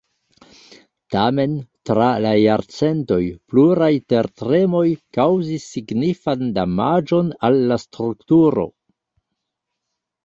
Tamen tra la jarcentoj pluraj tertremoj kaŭzis signifan damaĝon al la strukturo.